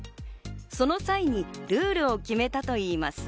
その際にルールを決めたといいます。